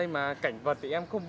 y dài vết trường